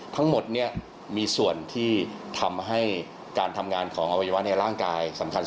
ทั้งหมดมีส่วนที่ทำให้การทำงานของอวัยวะในร่างกายสำคัญ